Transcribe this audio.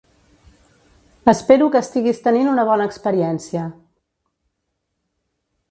Espero que estiguis tenint una bona experiència.